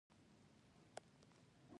چمن، توپیر، واکدار، ملت د جمع لپاره دي.